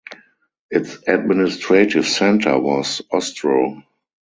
Its administrative centre was Ostroh.